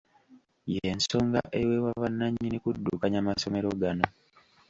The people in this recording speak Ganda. Y'ensonga eweebwa bannannyini kuddukanya masomero gano.